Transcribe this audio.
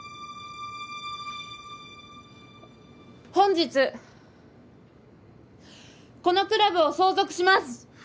本日このクラブを相続します。